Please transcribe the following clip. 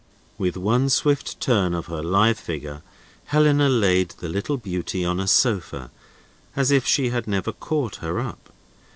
With one swift turn of her lithe figure, Helena laid the little beauty on a sofa, as if she had never caught her up.